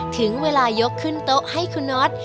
ถึงเวลายกขึ้นโต๊ะให้คุณน็อต